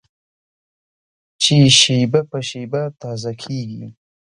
چې شېبه په شېبه تازه کېږي.